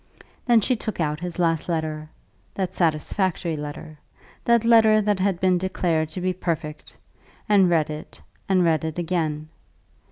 Then she took out his last letter, that satisfactory letter, that letter that had been declared to be perfect, and read it and read it again.